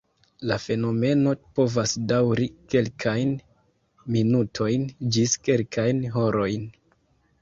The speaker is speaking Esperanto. La fenomeno povas daŭri kelkajn minutojn ĝis kelkajn horojn.